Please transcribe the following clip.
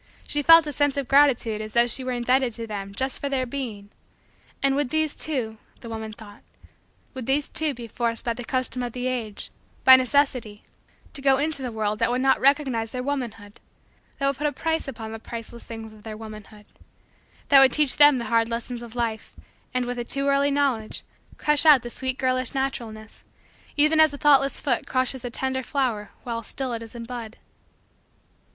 She felt a sense of gratitude as though she were indebted to them just for their being. And would these, too the woman thought would these, too, be forced by the custom of the age by necessity to go into the world that would not recognize their womanhood that would put a price upon the priceless things of their womanhood that would teach them hard lessons of life and, with a too early knowledge, crush out the sweet girlish naturalness, even as a thoughtless foot crushes a tender flower while still it is in the bud?